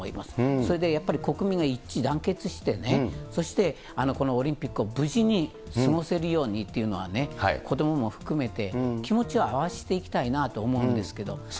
それでやっぱり国民が一致団結してね、そしてこのオリンピックを無事に過ごせるようにという、子どもも含めて、気持ちを合わせていきたいなと思うんですけれども。